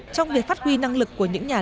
trong việc phát huy năng lực của những người trẻ